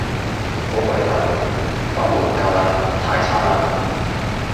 好鬼舊，房門舊嘞，太差嘞